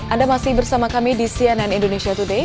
anda masih bersama kami di cnn indonesia today